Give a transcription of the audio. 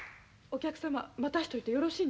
お客様待たしといてよろしいんですか？